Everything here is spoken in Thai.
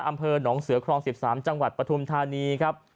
อำเภอหนองเสือครอง๑๓จังหวัดปฐุมธานีครับ